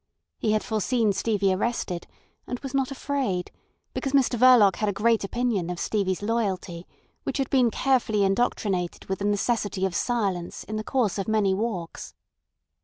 He had foreseen Stevie arrested, and was not afraid, because Mr Verloc had a great opinion of Stevie's loyalty, which had been carefully indoctrinated with the necessity of silence in the course of many walks.